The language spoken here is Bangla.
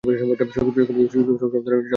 সব ধরনের গানই আমার ভালো লাগে।